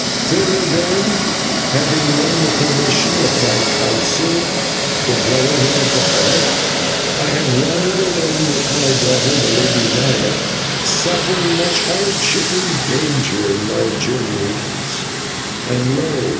"Thither, then, having won the permission of my Council, the Brotherhood of the Heart, I have wandered alone with my daughter, the Lady Maya, suffering much hardship and danger in my journeyings, and lo!